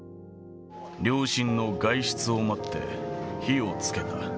両親の外出を待って火をつけた。